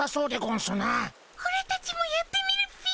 オラたちもやってみるっピ。